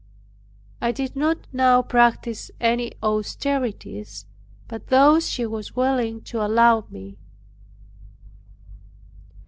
I did not now practice any austerities but those she was willing to allow me.